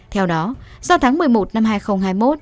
theo đó do tháng một mươi một năm hai nghìn hai mươi một